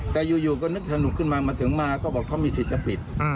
แต่อยู่ก็นึกสนุกขึ้นมามาถึงมาก็บอกเขามีสิทธิ์จะปิด